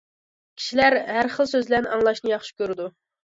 كىشىلەر ھەر خىل سۆزلەرنى ئاڭلاشنى ياخشى كۆرىدۇ.